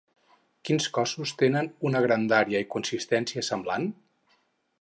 Quins cossos tenen una grandària i consistència semblant?